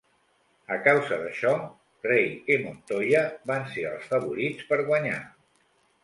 A causa d'això, Ray i Montoya van ser els favorits per guanyar.